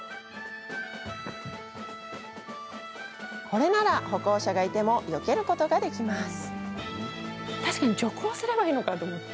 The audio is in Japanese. これなら歩行者がいてもよけることができます。